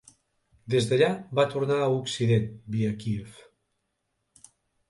Des d'allà va tornar a Occident via Kíev.